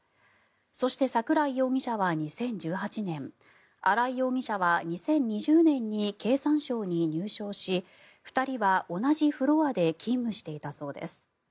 そして、桜井容疑者は２０１８年新井容疑者は２０２０年に経産省に入省し２人は同じフロアで勤務していたそうです。